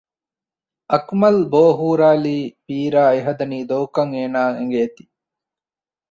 އަކުމަލް ބޯ ހުރާލީ ވީރާ އެހަދަނީ ދޮގުކަން އޭނާއަށް އެނގޭތީ